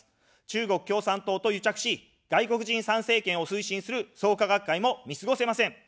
中国共産党と癒着し、外国人参政権を推進する創価学会も見過ごせません。